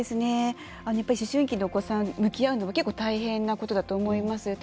やっぱり思春期のお子さん向き合うのは結構、大変なことだと思います。